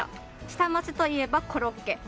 下町といえばコロッケ。